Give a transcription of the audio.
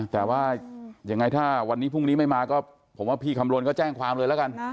แต่ว่ายังไงถ้าวันนี้พรุ่งนี้ไม่มาก็ผมว่าพี่คำนวณก็แจ้งความเลยแล้วกัน